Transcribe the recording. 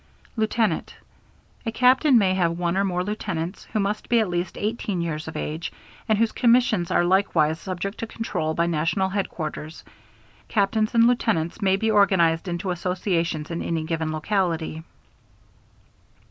Lieutenant. A captain may have one or more Lieutenants, who must be at least 18 years of age, and whose commissions are likewise subject to control by national headquarters. Captains and lieutenants may be organized into associations in any given locality.